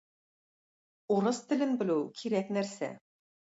Урыс телен белү кирәк нәрсә